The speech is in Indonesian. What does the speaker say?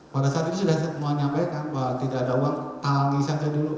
pada saat ini sudara mau nyampaikan bahwa tidak ada uang tanggi saja dulu